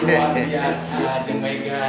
wah luar biasa jembega